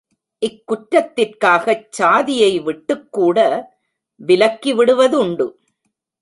இக் குற்றத்திற்காகச் சாதியை விட்டுக்கூட விலக்கி விடுவதுண்டு.